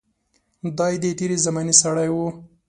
دای د تېرې زمانې سړی و.